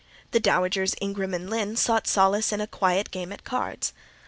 The dowagers Ingram and Lynn sought solace in a quiet game at cards.